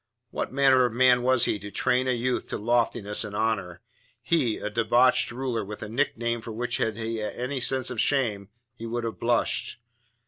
What manner of man was he to train a youth to loftiness and honour? he, a debauched ruler with a nickname for which, had he any sense of shame, he would have blushed!